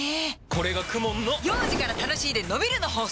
これがＫＵＭＯＮの幼児から楽しいでのびるの法則！